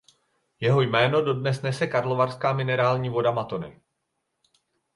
Jeho jméno dodnes nese karlovarská minerální voda Mattoni.